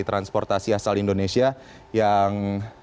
transportasi asal indonesia yang